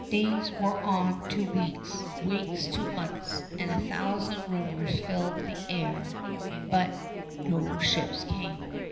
Days wore on to weeks, weeks to months, and a thousand rumors filled the air; but no ships came.